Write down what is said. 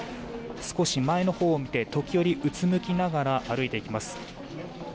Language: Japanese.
少し前のほうを見て時折、うつむきながら歩いていきます。